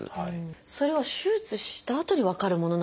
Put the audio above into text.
それは手術したあとに分かるものなんですか？